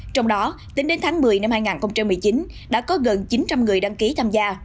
trong đó tính đến tháng một mươi năm hai nghìn một mươi chín đã có gần chín trăm linh người đăng ký tham gia